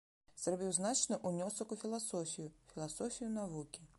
Зрабіў значны ўнёсак у філасофію, філасофію навукі.